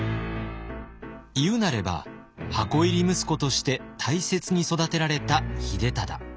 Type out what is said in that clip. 言うなれば箱入り息子として大切に育てられた秀忠。